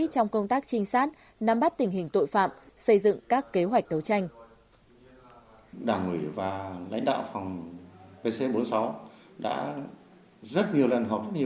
trong công tác trinh sát nắm bắt tình hình tội phạm xây dựng các kế hoạch đấu tranh